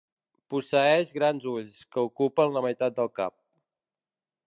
Posseeix grans ulls, que ocupen la meitat del cap.